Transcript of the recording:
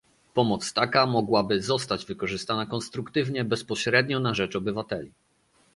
Pomoc taka mogłaby zostać wykorzystana konstruktywnie bezpośrednio na rzecz obywateli